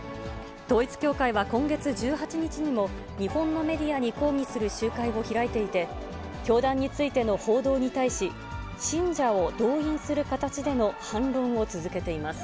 統一教会は今月１８日にも、日本のメディアに抗議する集会を開いていて、教団についての報道に対し、信者を動員する形での反論を続けています。